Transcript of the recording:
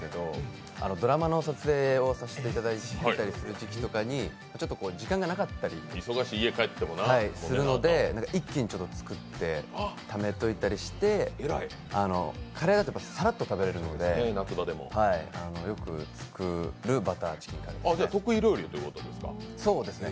ドラマの撮影をさせていただいてるときとかにちょっと時間がなかったりするので一気に作ってためといたりして、カレーだとさらっと食べられるんでよく作るバターチキンカレーですね。